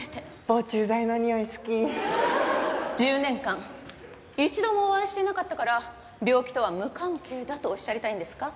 １０年間一度もお会いしていなかったから病気とは無関係だとおっしゃりたいんですか？